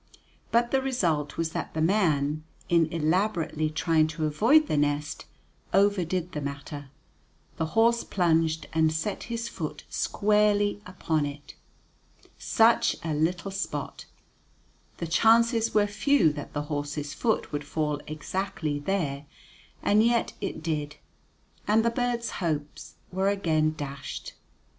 But the result was that the man, in elaborately trying to avoid the nest, overdid the matter; the horse plunged, and set his foot squarely upon it. Such a little spot, the chances were few that the horse's foot would fall exactly there; and yet it did, and the birds' hopes were again dashed.